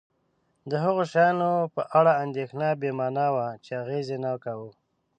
د هغو شیانو په اړه اندېښنه بې مانا وه چې اغېز یې نه کاوه.